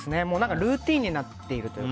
ルーティンになっているというか。